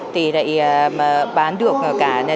thì bán được cả